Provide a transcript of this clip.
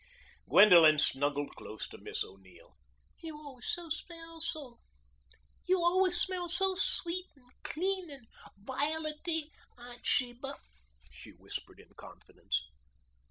Gwendolen snuggled close to Miss O'Neill. "You always smell so sweet and clean and violety, Aunt Sheba," she whispered in confidence.